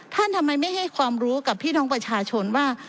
ทำไมไม่ให้ความรู้กับพี่น้องประชาชนว่า